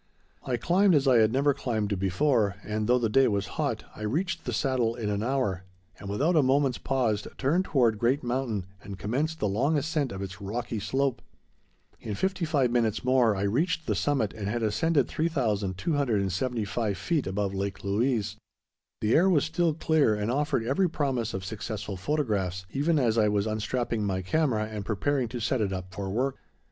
I climbed as I had never climbed before, and though the day was hot I reached the Saddle in an hour, and, without a moment's pause, turned toward Great Mountain and commenced the long ascent of its rocky slope. In fifty five minutes more I reached the summit and had ascended 3275 feet above Lake Louise. The air was still clear and offered every promise of successful photographs, even as I was unstrapping my camera and preparing to set it up for work.